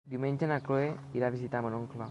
Diumenge na Cloè irà a visitar mon oncle.